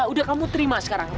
udah kamu terima sekarang